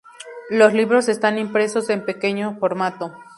Los libros están impresos en pequeño formato.